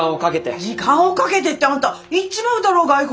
時間をかけてってあんた行っちまうだろ外国！